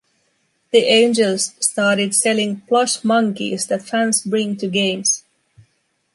The Angels started selling plush monkeys that fans bring to games.